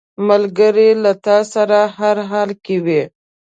ملګری له تا سره هر حال کې وي